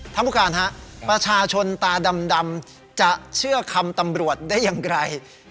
ผู้การฮะประชาชนตาดำจะเชื่อคำตำรวจได้อย่างไร